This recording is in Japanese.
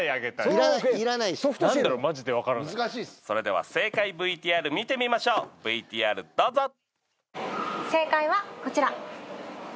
それでは正解ＶＴＲ見てみましょうＶＴＲどうぞ！